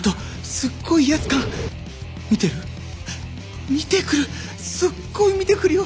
すっごい見てくるよ。